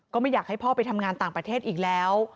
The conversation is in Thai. ก็ไม่อยากให้พ่อไปทำงานต่างประเทศอีกแล้ว